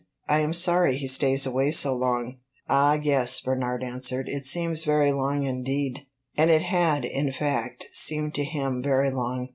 "I am sorry he stays away so long." "Ah yes," Bernard answered, "it seems very long indeed." And it had, in fact, seemed to him very long.